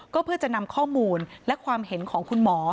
ก็เพื่อจะนำข้อมูลและความเห็นของคุณหมอ